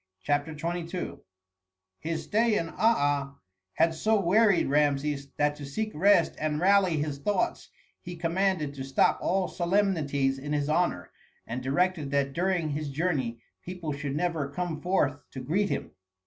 CHAPTER XXII His stay in Aa had so wearied Rameses that to seek rest and rally his thoughts he commanded to stop all solemnities in his honor, and directed that during his journey people should never come forth to greet him.